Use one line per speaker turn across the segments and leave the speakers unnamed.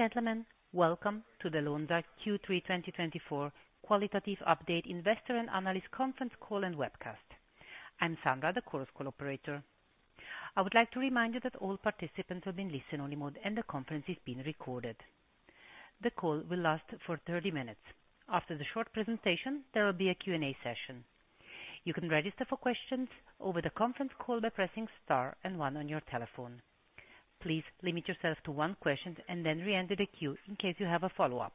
Ladies and gentlemen, welcome to the Lonza Q3 2024 Qualitative Update Investor and Analyst Conference Call and Webcast. I'm Sandra, the Chorus Call operator. I would like to remind you that all participants are in listen-only mode, and the conference is being recorded. The call will last for thirty minutes. After the short presentation, there will be a Q&A session. You can register for questions over the conference call by pressing star and one on your telephone. Please limit yourself to one question and then re-enter the queue in case you have a follow-up.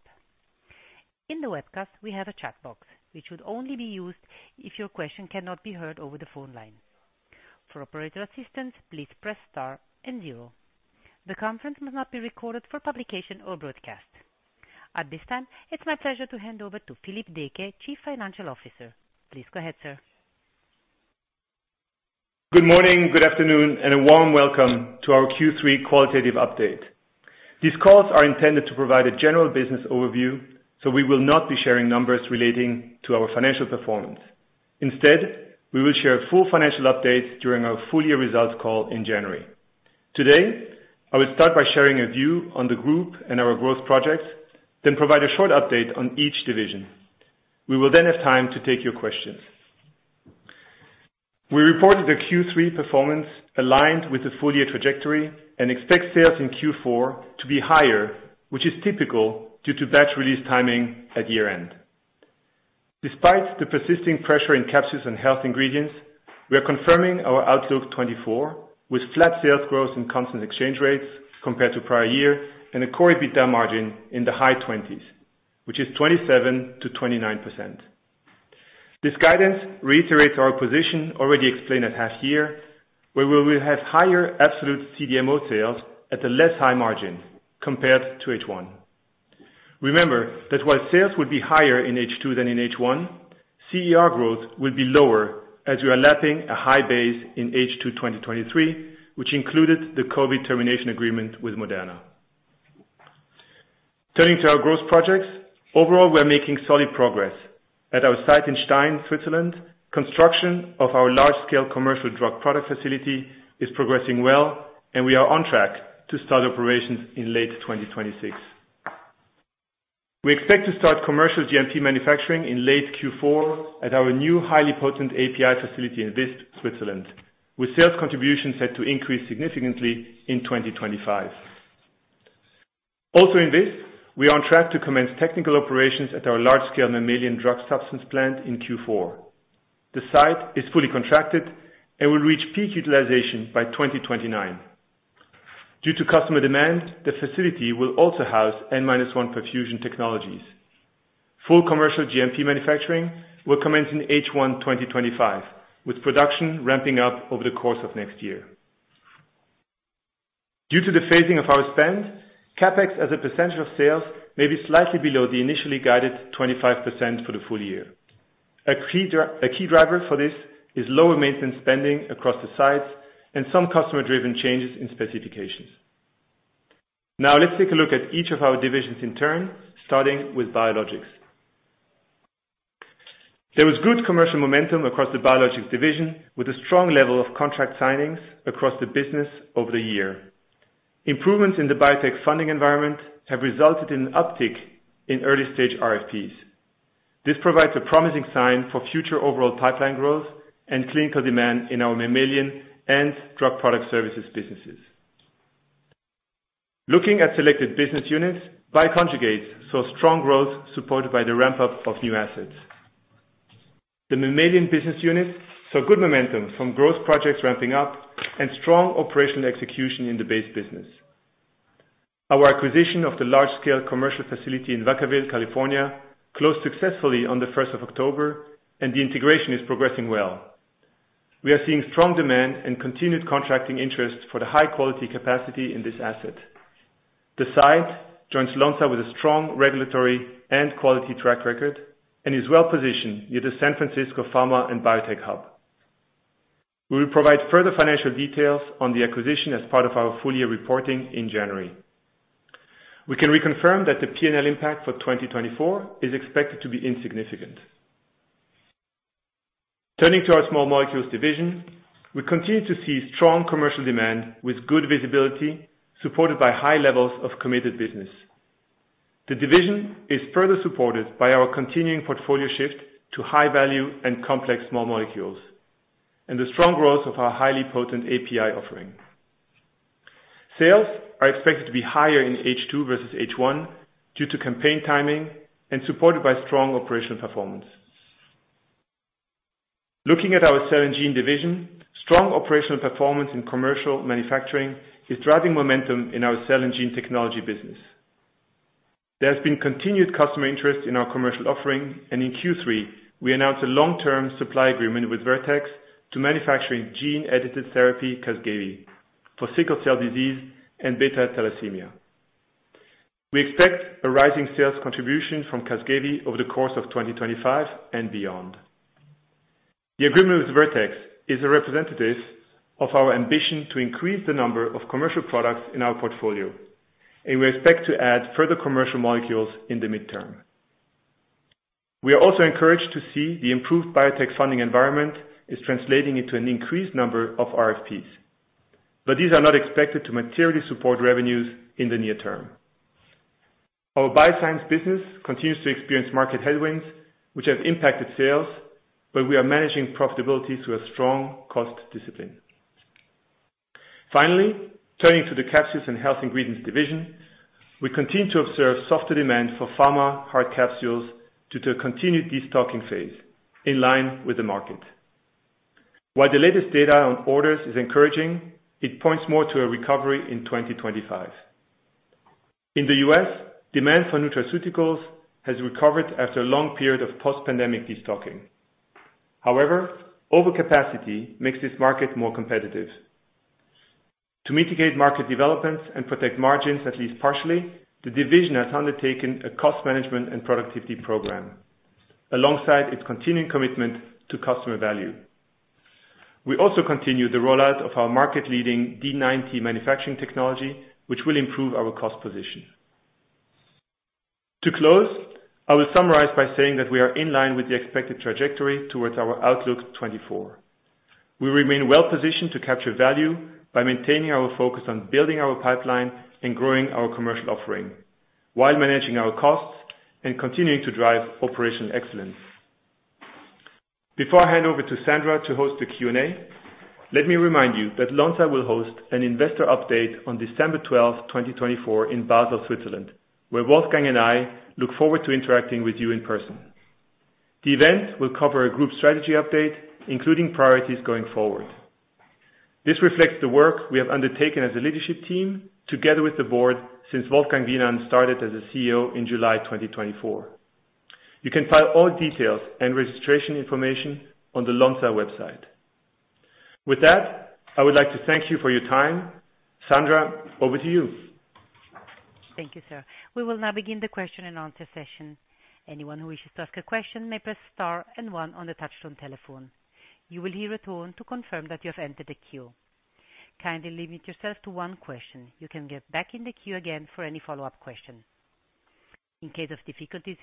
In the webcast, we have a chat box, which would only be used if your question cannot be heard over the phone line. For operator assistance, please press star and zero. The conference must not be recorded for publication or broadcast. At this time, it's my pleasure to hand over to Philippe Deecke, Chief Financial Officer. Please go ahead, sir.
Good morning, good afternoon, and a warm welcome to our Q3 qualitative update. These calls are intended to provide a general business overview, so we will not be sharing numbers relating to our financial performance. Instead, we will share full financial updates during our full year results call in January. Today, I will start by sharing a view on the group and our growth projects, then provide a short update on each division. We will then have time to take your questions. We reported a Q3 performance aligned with the full year trajectory and expect sales in Q4 to be higher, which is typical due to batch release timing at year-end. Despite the persisting pressure in Capsules and Health Ingredients, we are confirming our outlook 2024, with flat sales growth and Constant Exchange Rates compared to prior year and a Core EBITDA margin in the high twenties, which is 27%-29%. This guidance reiterates our position already explained at half year, where we will have higher absolute CDMO sales at a less high margin compared to H1. Remember that while sales would be higher in H2 than in H1, CER growth will be lower as we are lapping a high base in H2 2023, which included the COVID termination agreement with Moderna. Turning to our growth projects. Overall, we are making solid progress. At our site in Stein, Switzerland, construction of our large-scale commercial drug product facility is progressing well, and we are on track to start operations in late 2026. We expect to start commercial GMP manufacturing in late Q4 at our new highly potent API facility in Visp, Switzerland, with sales contribution set to increase significantly in 2025. Also in Visp, we are on track to commence technical operations at our large-scale mammalian drug substance plant in Q4. The site is fully contracted and will reach peak utilization by 2029. Due to customer demand, the facility will also house N-minus-one perfusion technologies. Full commercial GMP manufacturing will commence in H1 2025, with production ramping up over the course of next year. Due to the phasing of our spend, CapEx as a percentage of sales may be slightly below the initially guided 25% for the full year. A key driver for this is lower maintenance spending across the sites and some customer-driven changes in specifications. Now, let's take a look at each of our divisions in turn, starting with Biologics. There was good commercial momentum across the Biologics division, with a strong level of contract signings across the business over the year. Improvements in the biotech funding environment have resulted in an uptick in early-stage RFPs. This provides a promising sign for future overall pipeline growth and clinical demand in our Mammalian and Drug Product services businesses. Looking at selected business units, Bioconjugates saw strong growth, supported by the ramp-up of new assets. The Mammalian business unit saw good momentum from growth projects ramping up and strong operational execution in the base business. Our acquisition of the large-scale commercial facility in Vacaville, California, closed successfully on the first of October, and the integration is progressing well. We are seeing strong demand and continued contracting interest for the high-quality capacity in this asset. The site joins Lonza with a strong regulatory and quality track record and is well-positioned near the San Francisco Pharma and Biotech Hub. We will provide further financial details on the acquisition as part of our full year reporting in January. We can reconfirm that the P&L impact for 2024 is expected to be insignificant. Turning to our Small Molecules division, we continue to see strong commercial demand with good visibility, supported by high levels of committed business. The division is further supported by our continuing portfolio shift to high value and complex small molecules, and the strong growth of our highly potent API offering. Sales are expected to be higher in H2 versus H1 due to campaign timing and supported by strong operational performance. Looking at our Cell and Gene division, strong operational performance in commercial manufacturing is driving momentum in our cell and gene technology business. There has been continued customer interest in our commercial offering, and in Q3, we announced a long-term supply agreement with Vertex to manufacturing gene-edited therapy, Casgevy, for sickle cell disease and beta thalassemia. We expect a rising sales contribution from Casgevy over the course of 2025 and beyond. The agreement with Vertex is a representative of our ambition to increase the number of commercial products in our portfolio, and we expect to add further commercial molecules in the midterm. We are also encouraged to see the improved biotech funding environment is translating into an increased number of RFPs, but these are not expected to materially support revenues in the near term. Our BioScience business continues to experience market headwinds, which have impacted sales, but we are managing profitability through a strong cost discipline. Finally, turning to the Capsules and Health Ingredients division, we continue to observe softer demand for pharma hard capsules due to a continued destocking phase in line with the market. While the latest data on orders is encouraging, it points more to a recovery in 2025. In the U.S., demand for nutraceuticals has recovered after a long period of post-pandemic destocking. However, overcapacity makes this market more competitive. To mitigate market developments and protect margins, at least partially, the division has undertaken a cost management and productivity program alongside its continuing commitment to customer value. We also continue the rollout of our market-leading D90 manufacturing technology, which will improve our cost position. To close, I will summarize by saying that we are in line with the expected trajectory towards our outlook 2024. We remain well positioned to capture value by maintaining our focus on building our pipeline and growing our commercial offering, while managing our costs and continuing to drive operational excellence. Before I hand over to Sandra to host the Q&A, let me remind you that Lonza will host an investor update on December 12 2024 in Basel, Switzerland, where Wolfgang and I look forward to interacting with you in person. The event will cover a group strategy update, including priorities going forward. This reflects the work we have undertaken as a leadership team together with the board since Wolfgang Wienand started as CEO in July 2024. You can find all details and registration information on the Lonza website. With that, I would like to thank you for your time. Sandra, over to you.
Thank you, sir. We will now begin the question and answer session. Anyone who wishes to ask a question may press star and one on the touchtone telephone. You will hear a tone to confirm that you have entered the queue. Kindly limit yourself to one question. You can get back in the queue again for any follow-up question. In case of difficulties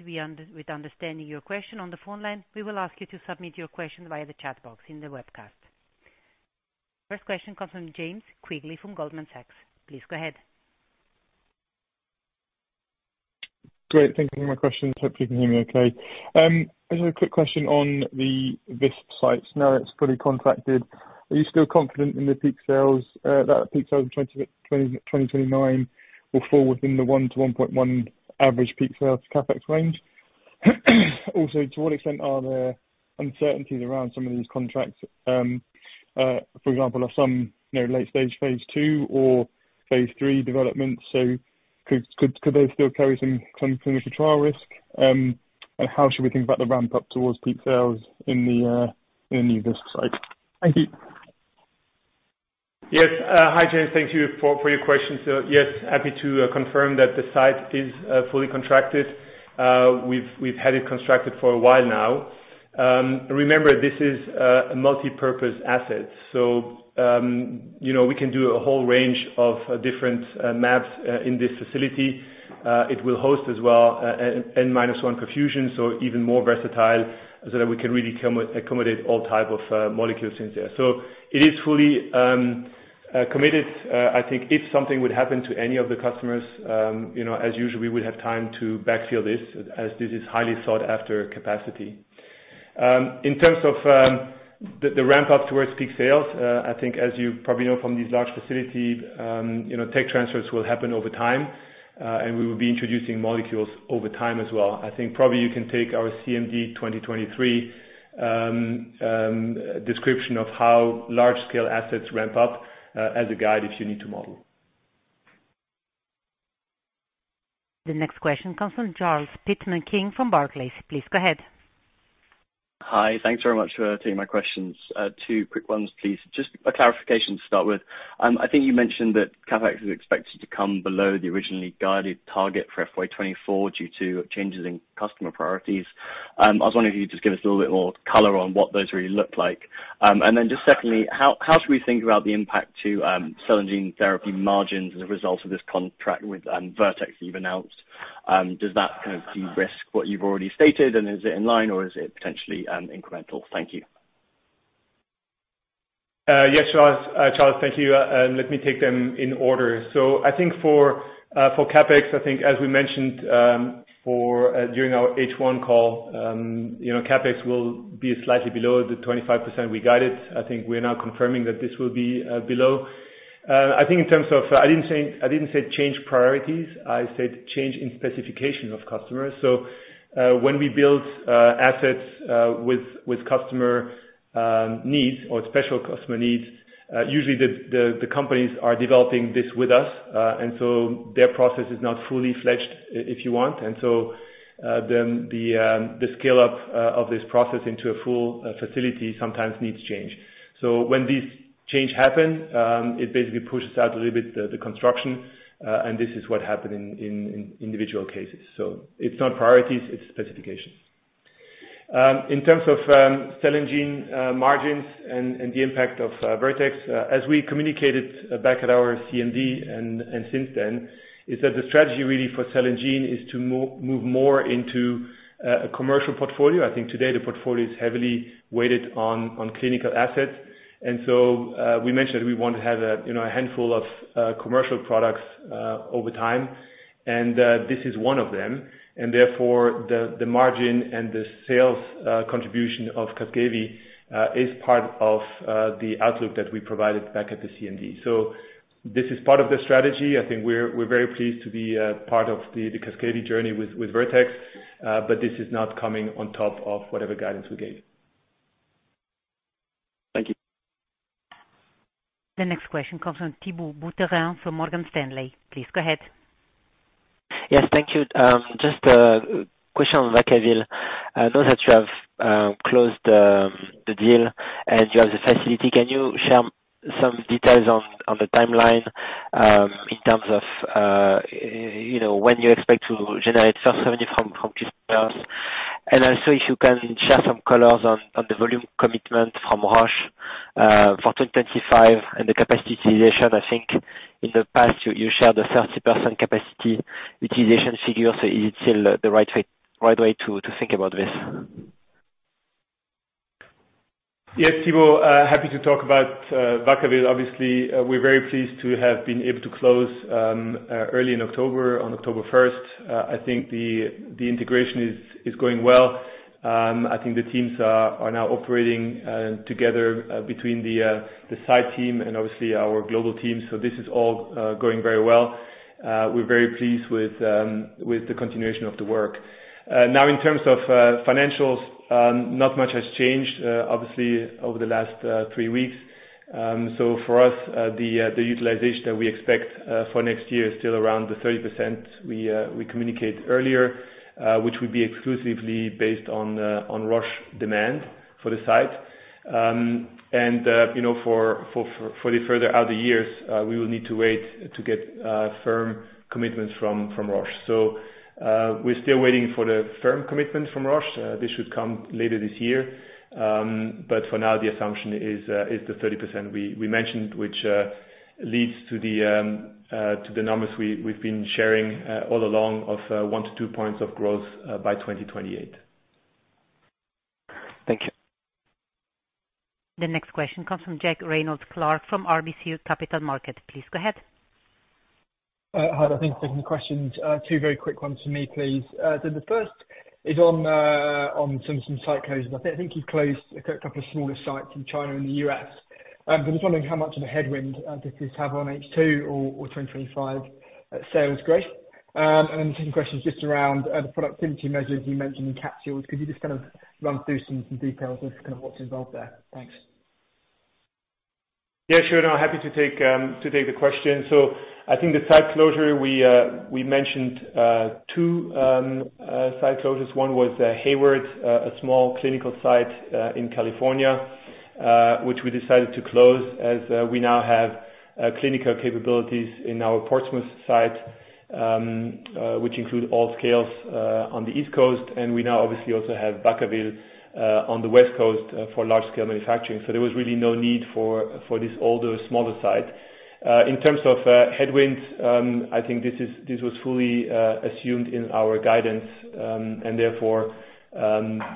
with understanding your question on the phone line, we will ask you to submit your question via the chat box in the webcast. First question comes from James Quigley from Goldman Sachs. Please go ahead.
Great. Thank you for my questions. Hopefully, you can hear me okay. I just have a quick question on the Visp sites. Now that it's fully contracted, are you still confident in the peak sales, that peak sales in 2029 will fall within the 1-1.1 average peak sales CapEx range? Also, to what extent are there uncertainties around some of these contracts? For example, are some, you know, late stage phase two or phase three developments, so could they still carry some clinical trial risk? And how should we think about the ramp-up towards peak sales in the, in the new Visp site? Thank you.
Yes. Hi, James. Thank you for your question. So yes, happy to confirm that the site is fully contracted. We've had it contracted for a while now. Remember, this is a multipurpose asset, so you know, we can do a whole range of different maps in this facility. It will host as well N-minus-one perfusion, so even more versatile, so that we can really accommodate all type of molecules in there. So it is fully committed. I think if something would happen to any of the customers, you know, as usual, we would have time to backfill this as this is highly sought-after capacity. In terms of the ramp up towards peak sales, I think as you probably know from these large facility, you know, tech transfers will happen over time, and we will be introducing molecules over time as well. I think probably you can take our CMD 2023 description of how large-scale assets ramp up as a guide if you need to model.
The next question comes from Charles Pitman-King from Barclays. Please go ahead.
Hi. Thanks very much for taking my questions. Two quick ones, please. Just a clarification to start with. I think you mentioned that CapEx is expected to come below the originally guided target for FY 2024, due to changes in customer priorities. I was wondering if you could just give us a little bit more color on what those really look like. And then just secondly, how should we think about the impact to cell and gene therapy margins as a result of this contract with Vertex you've announced? Does that kind of de-risk what you've already stated, and is it in line or is it potentially incremental? Thank you.
Yes, Charles. Charles, thank you. Let me take them in order. I think for CapEx, as we mentioned during our H1 call, you know, CapEx will be slightly below the 25% we guided. I think we're now confirming that this will be below. I think in terms of... I didn't say change priorities. I said change in specification of customers. When we build assets with customer needs or special customer needs, usually the companies are developing this with us. And so their process is not fully fledged, if you want. Then the scale up of this process into a full facility sometimes needs change. So when these changes happen, it basically pushes out a little bit the construction, and this is what happened in individual cases. So it's not priorities, it's specifications. In terms of Cell and Gene margins and the impact of Vertex, as we communicated back at our CMD and since then, is that the strategy really for Cell and Gene is to move more into a commercial portfolio. I think today, the portfolio is heavily weighted on clinical assets, and so we mentioned we want to have a you know a handful of commercial products over time, and this is one of them, and therefore, the margin and the sales contribution of Casgevy is part of the outlook that we provided back at the CMD. So this is part of the strategy. I think we're very pleased to be part of the Casgevy journey with Vertex, but this is not coming on top of whatever guidance we gave. Thank you.
The next question comes from Thibault Boutherin, from Morgan Stanley. Please go ahead.
Yes, thank you. Just a question on Vacaville. I know that you have closed the deal and you have the facility. Can you share some details on the timeline in terms of you know when you expect to generate first revenue from customers? And also, if you can share some colors on the volume commitment from Roche for 2025 and the capacity utilization. I think in the past, you shared a 30% capacity utilization figure, so is it still the right way to think about this?
Yes, Thibault, happy to talk about Vacaville. Obviously, we're very pleased to have been able to close early in October, on October 1st. I think the integration is going well. I think the teams are now operating together between the site team and obviously our global team, so this is all going very well. We're very pleased with the continuation of the work. Now, in terms of financials, not much has changed obviously over the last three weeks. So for us, the utilization that we expect for next year is still around the 30% we communicated earlier, which would be exclusively based on the Roche demand for the site. You know, for the further out years, we will need to wait to get firm commitments from Roche. So, we're still waiting for the firm commitment from Roche. This should come later this year, but for now, the assumption is the 30% we mentioned, which leads to the numbers we've been sharing all along of one to two points of growth by 2028. Thank you.
The next question comes from Jack Reynolds-Clarke, from RBC Capital Markets. Please go ahead.
Hi, thanks for taking the questions. Two very quick ones from me, please. So the first is on some site closures. I think you've closed a couple of smaller sites in China and the US. But I'm just wondering how much of a headwind does this have on H2 or 2025 sales growth? And the second question is just around the productivity measures you mentioned in capsules. Could you just kind of run through some details of what's involved there? Thanks.
Yeah, sure, no, happy to take the question. So I think the site closure, we mentioned two site closures. One was Hayward, a small clinical site in California, which we decided to close as we now have clinical capabilities in our Portsmouth site, which include all scales on the East Coast. And we now obviously also have Vacaville on the West Coast for large scale manufacturing. So there was really no need for this older, smaller site. In terms of headwinds, I think this was fully assumed in our guidance and therefore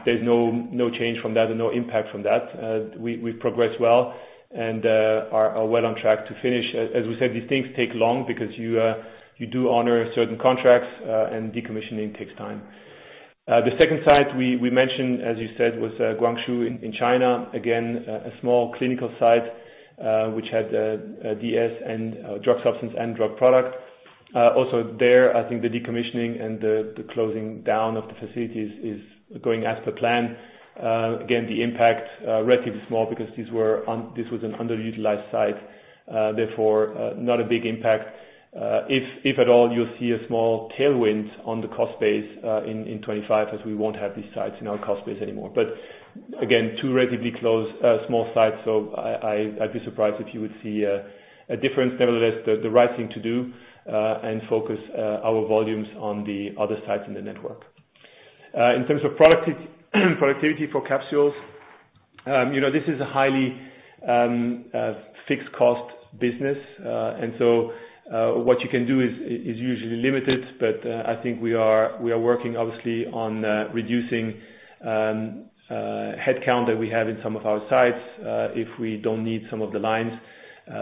there's no change from that and no impact from that. We've progressed well and are well on track to finish. As we said, these things take long because you do honor certain contracts and decommissioning takes time. The second site we mentioned, as you said, was Guangzhou in China. Again, a small clinical site which had DS and drug substance and drug product. Also there, I think the decommissioning and the closing down of the facilities is going as per plan. Again, the impact relatively small because this was an underutilized site, therefore not a big impact. If at all, you'll see a small tailwind on the cost base in twenty-five, as we won't have these sites in our cost base anymore. But again, two relatively close small sites, so I'd be surprised if you would see a difference. Nevertheless, the right thing to do and focus our volumes on the other sites in the network. In terms of productivity, productivity for capsules, you know, this is a highly fixed cost business. And so, what you can do is usually limited, but I think we are working obviously on reducing headcount that we have in some of our sites. If we don't need some of the lines,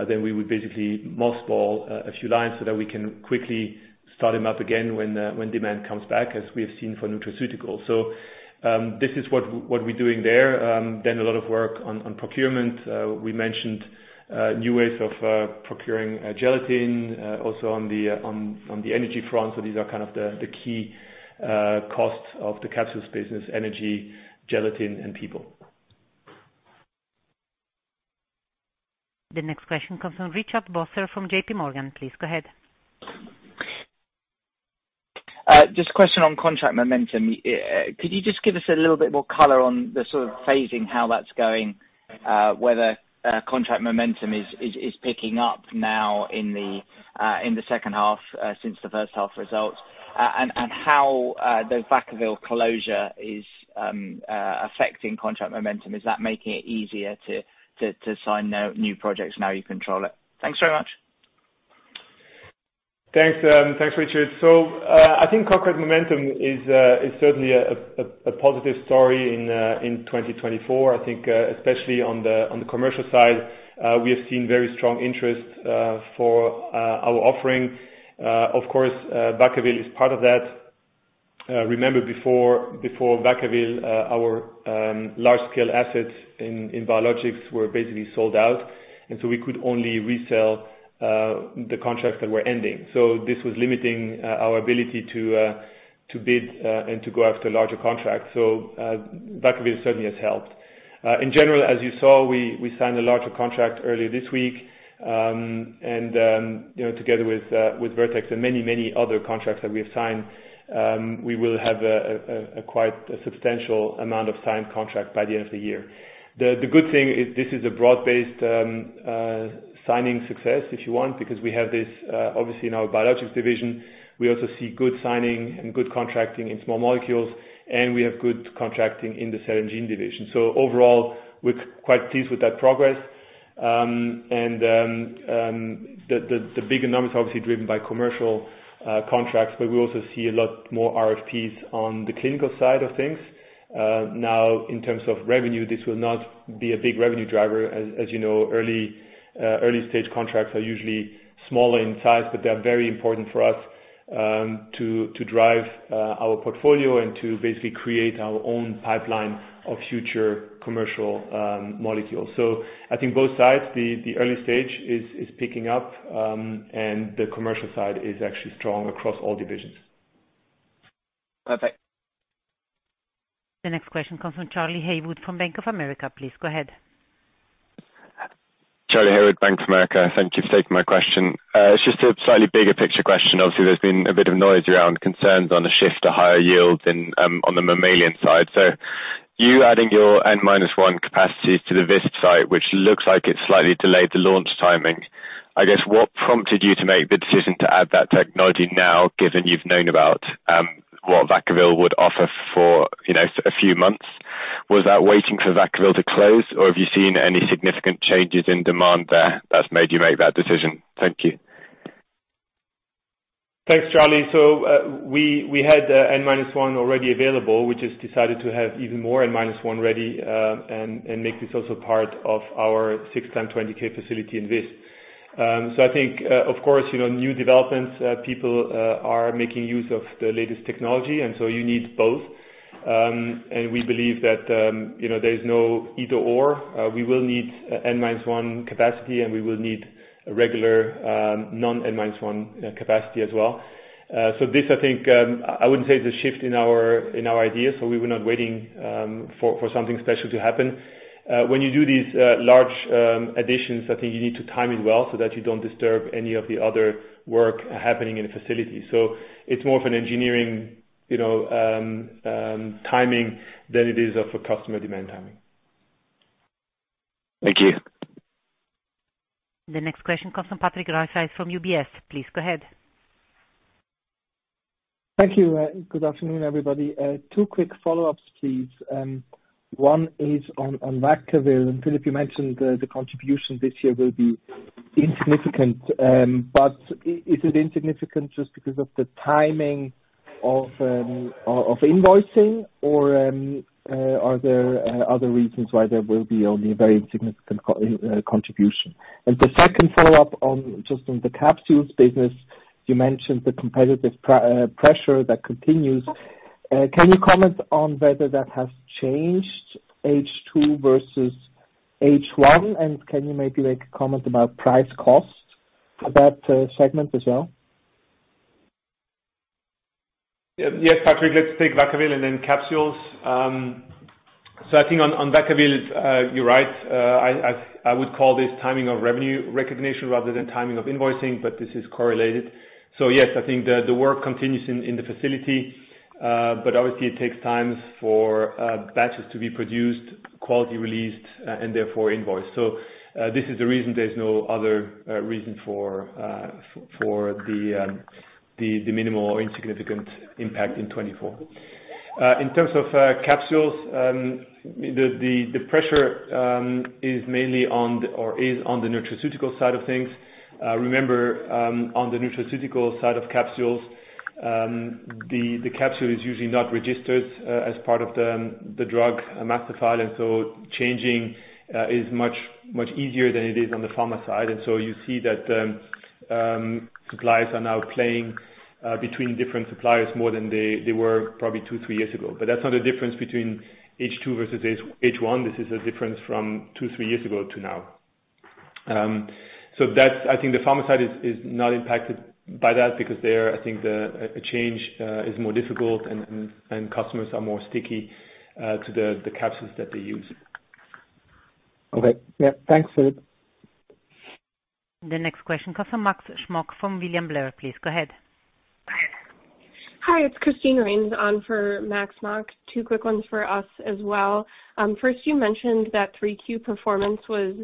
then we would basically mothball a few lines so that we can quickly start them up again when demand comes back, as we have seen for nutraceuticals. So, this is what we're doing there. Then a lot of work on procurement. We mentioned new ways of procuring gelatin, also on the energy front. So these are kind of the key costs of the capsules business: energy, gelatin, and people.
The next question comes from Richard Vosser, from J.P. Morgan. Please go ahead.
Just a question on contract momentum. Could you just give us a little bit more color on the sort of phasing, how that's going, whether contract momentum is picking up now in the second half since the first half results, and how the Vacaville closure is affecting contract momentum? Is that making it easier to sign new projects now you control it? Thanks very much.
Thanks, thanks, Richard. So, I think contract momentum is certainly a positive story in twenty twenty-four. I think, especially on the commercial side, we have seen very strong interest for our offering. Of course, Vacaville is part of that. Remember before Vacaville, our large-scale assets in Biologics were basically sold out, and so we could only resell the contracts that were ending. So, Vacaville certainly has helped. In general, as you saw, we signed a larger contract earlier this week, and you know, together with Vertex and many, many other contracts that we have signed, we will have a quite substantial amount of signed contract by the end of the year. The good thing is, this is a broad-based signing success, if you want, because we have this obviously in our biologics division. We also see good signing and good contracting in small molecules, and we have good contracting in the cell and gene division. So overall, we're quite pleased with that progress, and the bigger number is obviously driven by commercial contracts, but we also see a lot more RFPs on the clinical side of things. Now, in terms of revenue, this will not be a big revenue driver. As you know, early-stage contracts are usually smaller in size, but they are very important for us to drive our portfolio and to basically create our own pipeline of future commercial molecules. So I think both sides, the early stage is picking up, and the commercial side is actually strong across all divisions.
Perfect.
The next question comes from Charlie Heywood, from Bank of America. Please go ahead.
Charlie Heywood, Bank of America. Thank you for taking my question. It's just a slightly bigger picture question. Obviously, there's been a bit of noise around concerns on the shift to higher yields in on the mammalian side. So you adding your N-1 capacities to the Visp site, which looks like it's slightly delayed the launch timing. I guess, what prompted you to make the decision to add that technology now, given you've known about what Vacaville would offer for, you know, a few months? Was that waiting for Vacaville to close, or have you seen any significant changes in demand there, that's made you make that decision? Thank you.
Thanks, Charlie. So, we had N-minus-one already available. We just decided to have even more N-minus-one ready, and make this also part of our six times twenty K facility in Visp. So I think, of course, you know, new developments, people are making use of the latest technology, and so you need both. And we believe that, you know, there is no either/or. We will need N-minus-one capacity, and we will need a regular, non-N-1 capacity as well. So this, I think, I wouldn't say is a shift in our ideas, so we were not waiting, for something special to happen. When you do these large additions, I think you need to time it well, so that you don't disturb any of the other work happening in the facility. So it's more of an engineering, you know, timing, than it is of a customer demand timing.
Thank you.
The next question comes from Patrick Rafaisz from UBS. Please go ahead.
Thank you, good afternoon, everybody. Two quick follow-ups, please. One is on Vacaville, and Philippe, you mentioned the contribution this year will be insignificant, but is it insignificant just because of the timing of invoicing? Or, are there other reasons why there will be only a very insignificant contribution? And the second follow-up on, just on the capsules business, you mentioned the competitive pressure that continues. Can you comment on whether that has changed H2 / H1, and can you maybe make a comment about price cost for that segment as well?
Yes, Patrick, let's take Vacaville and then capsules. So I think on Vacaville, you're right. I would call this timing of revenue recognition rather than timing of invoicing, but this is correlated. Yes, I think the work continues in the facility, but obviously it takes time for batches to be produced, quality released, and therefore invoiced. This is the reason there's no other reason for the minimal or insignificant impact in 2024. In terms of capsules, the pressure is mainly on, or is on the nutraceutical side of things. Remember, on the nutraceutical side of capsules, the capsule is usually not registered as part of the Drug Master File, and so changing is much easier than it is on the pharma side. And so you see that suppliers are now playing between different suppliers more than they were probably two, three years ago. But that's not a difference between H2/H1, this is a difference from two, three years ago to now. So that's... I think the pharma side is not impacted by that because there, I think the change is more difficult and customers are more sticky to the capsules that they use.
Okay. Yeah, thanks, Philippe.
The next question comes from Max Smock, from William Blair. Please go ahead....
Hi, it's Christine Rhee on for Max Smock. Two quick ones for us as well. First, you mentioned that 3Q performance was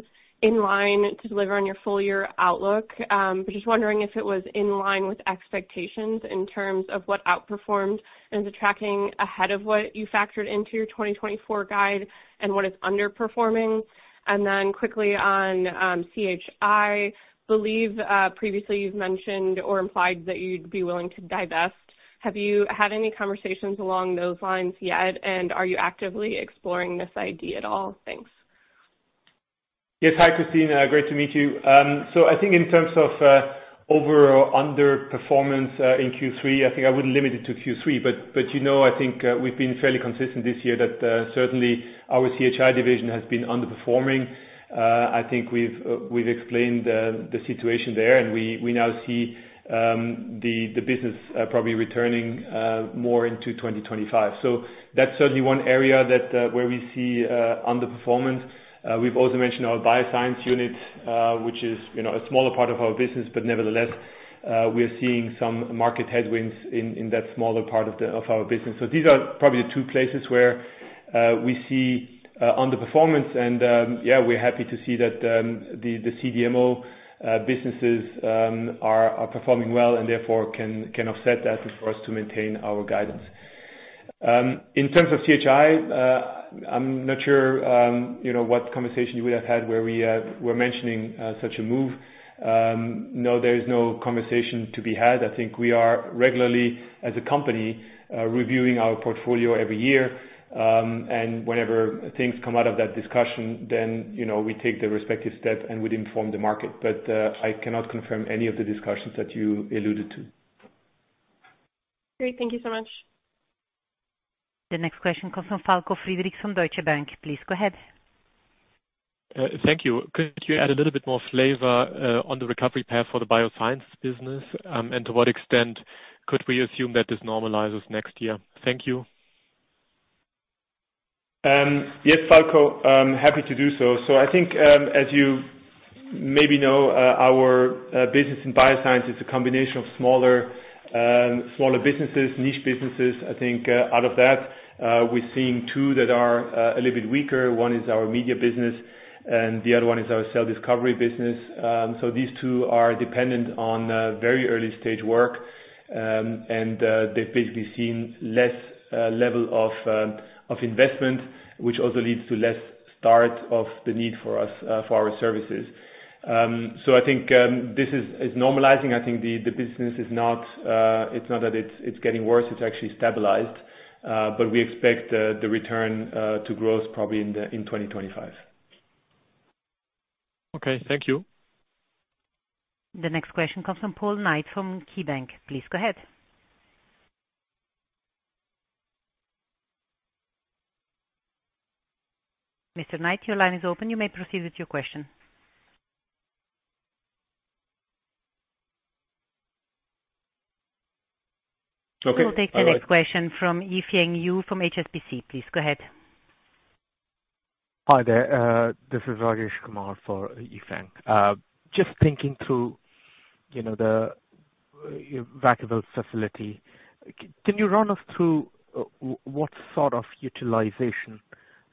in line to deliver on your full year outlook, but just wondering if it was in line with expectations in terms of what outperformed and is it tracking ahead of what you factored into your twenty twenty-four guide, and what is underperforming? And then quickly on CHI, I believe previously you've mentioned or implied that you'd be willing to divest. Have you had any conversations along those lines yet, and are you actively exploring this idea at all? Thanks.
Yes. Hi, Christine. Great to meet you. So I think in terms of over or underperformance in Q3, I think I would limit it to Q3, but, but you know, I think we've been fairly consistent this year that certainly our CHI division has been underperforming. I think we've explained the situation there, and we now see the business probably returning more into 2025. So that's certainly one area that where we see underperformance. We've also mentioned our BioScience unit, which is you know a smaller part of our business, but nevertheless we're seeing some market headwinds in that smaller part of our business. So these are probably the two places where we see underperformance and, yeah, we're happy to see that the CDMO businesses are performing well, and therefore can offset that for us to maintain our guidance. In terms of CHI, I'm not sure, you know, what conversation you would have had where we were mentioning such a move. No, there's no conversation to be had. I think we are regularly, as a company, reviewing our portfolio every year, and whenever things come out of that discussion, then, you know, we take the respective step, and we'd inform the market, but I cannot confirm any of the discussions that you alluded to.
Great. Thank you so much.
The next question comes from Falko Friedrichs from Deutsche Bank. Please go ahead.
Thank you. Could you add a little bit more flavor on the recovery path for the BioScience business, and to what extent could we assume that this normalizes next year? Thank you.
Yes, Falko, I'm happy to do so. So I think, as you maybe know, our business in bioscience is a combination of smaller businesses, niche businesses. I think, out of that, we're seeing two that are a little bit weaker. One is our media business, and the other one is our cell discovery business. So these two are dependent on very early stage work, and they've basically seen less level of investment, which also leads to less start of the need for us for our services. So I think this is normalizing. I think the business is not, it's not that it's getting worse, it's actually stabilized, but we expect the return to growth probably in 2025.
Okay. Thank you.
The next question comes from Paul Knight from KeyBanc Capital Markets. Please go ahead. Mr. Knight, your line is open. You may proceed with your question.
Okay.
We'll take the next question from Yifan Yu from HSBC. Please go ahead.
Hi there, this is Rajesh Kumar for Yifan. Just thinking through, you know, the Vacaville facility, can you run us through what sort of utilization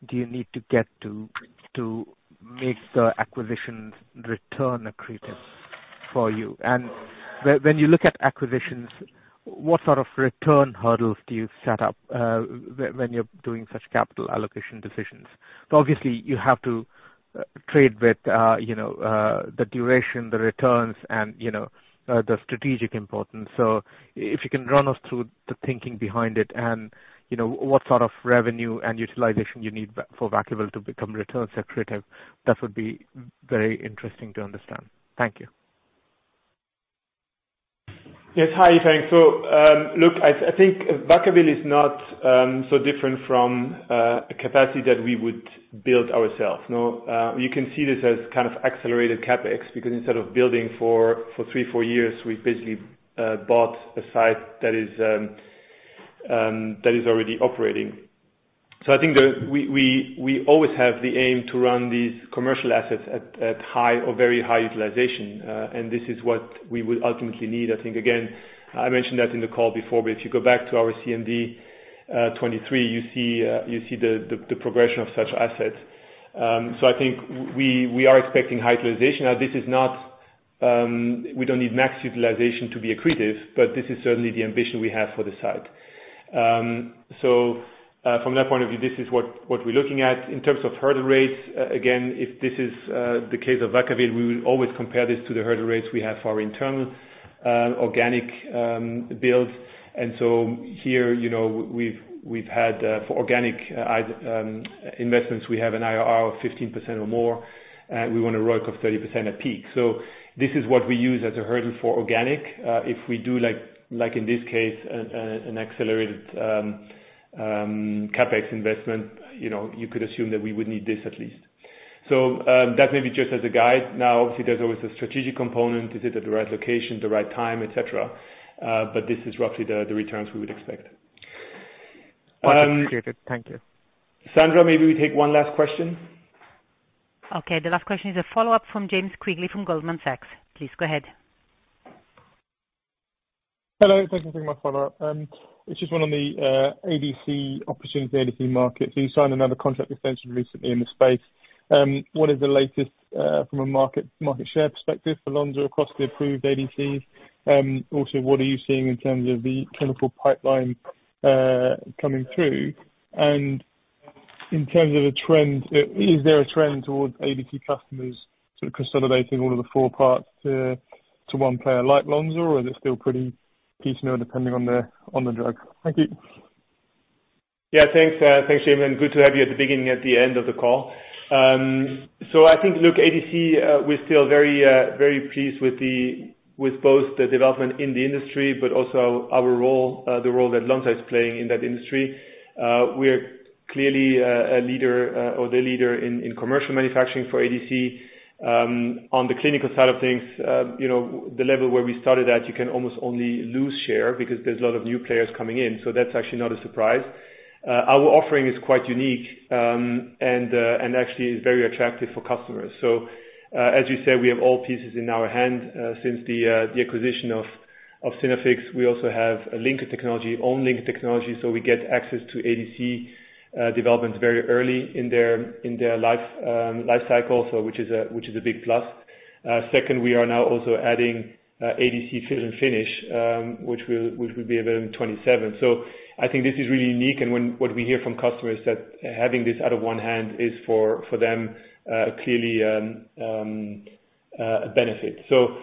do you need to get to, to make the acquisitions return accretive for you? And when you look at acquisitions, what sort of return hurdles do you set up when you're doing such capital allocation decisions? Obviously, you have to trade with the duration, the returns, and the strategic importance. So if you can run us through the thinking behind it and, you know, what sort of revenue and utilization you need for Vacaville to become return accretive, that would be very interesting to understand. Thank you.
Yes. Hi, Yifan. So, look, I think Vacaville is not so different from a capacity that we would build ourselves. Now, you can see this as kind of accelerated CapEx, because instead of building for three, four years, we've basically bought a site that is already operating. So I think that we always have the aim to run these commercial assets at high or very high utilization, and this is what we would ultimately need. I think, again, I mentioned that in the call before, but if you go back to our CMD 2023, you see the progression of such assets. So I think we are expecting high utilization. Now, this is not... We don't need max utilization to be accretive, but this is certainly the ambition we have for the site. From that point of view, this is what we're looking at. In terms of hurdle rates, again, if this is the case of Vacaville, we will always compare this to the hurdle rates we have for our internal, organic, build. So here, you know, we've had, for organic investments, we have an IRR of 15% or more, we want a ROIC of 30% at peak. This is what we use as a hurdle for organic. If we do like, in this case, an accelerated, CapEx investment, you know, you could assume that we would need this at least. That may be just as a guide. Now, obviously, there's always a strategic component. Is it at the right location, the right time, et cetera? But this is roughly the returns we would expect. Sandra, maybe we take one last question.
Okay, the last question is a follow-up from James Quigley from Goldman Sachs. Please go ahead.
Hello, thank you for my follow-up. It's just one on the ADC opportunity, ADC market. So you signed another contract extension recently in the space. What is the latest from a market share perspective for Lonza across the approved ADCs? Also, what are you seeing in terms of the clinical pipeline coming through? And in terms of the trend, is there a trend towards ADC customers sort of consolidating all of the four parts to one player like Lonza, or is it still pretty piecemeal depending on the drug? Thank you.
Yeah, thanks, thanks, James, and good to have you at the beginning and at the end of the call. So I think, look, ADC, we're still very, very pleased with the, with both the development in the industry, but also our role, the role that Lonza is playing in that industry. We are clearly, a leader, or the leader in, in commercial manufacturing for ADC. On the clinical side of things, you know, the level where we started at, you can almost only lose share because there's a lot of new players coming in, so that's actually not a surprise. Our offering is quite unique, and, and actually is very attractive for customers. So, as you said, we have all pieces in our hand, since the, the acquisition of, of Synaffix. We also have a linker technology, own linker technology, so we get access to ADC developments very early in their life cycle, so which is a big plus. Second, we are now also adding ADC fill and finish, which will be available in 2027. So I think this is really unique and what we hear from customers that having this out of one hand is for them clearly a benefit. So,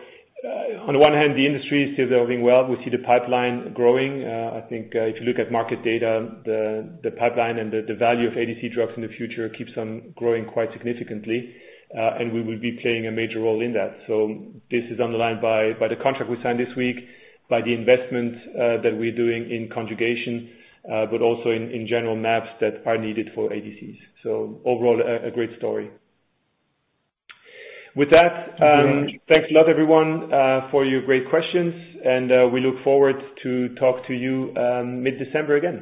on one hand, the industry is developing well. We see the pipeline growing. I think, if you look at market data, the pipeline and the value of ADC drugs in the future keeps on growing quite significantly, and we will be playing a major role in that. So this is underlined by the contract we signed this week, by the investment that we're doing in conjugation, but also in general, mAbs that are needed for ADCs. So overall, a great story. With that,
Thank you very much.
Thanks a lot, everyone, for your great questions, and we look forward to talk to you mid-December again.